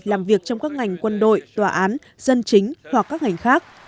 làm việc trong các ngành quân đội tòa án dân chính hoặc các ngành khác